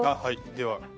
では。